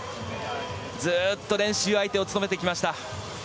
ずっと練習相手を務めてきました。